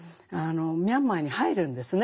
ミャンマーに入るんですね。